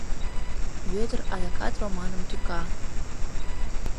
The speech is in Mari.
Вӧдыр адакат Романым тӱка.